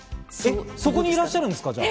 そこにいらっしゃるんですか？